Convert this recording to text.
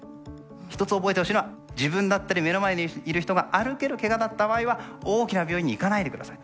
１つ覚えてほしいのは自分だったり目の前にいる人が歩けるけがだった場合は大きな病院に行かないで下さい。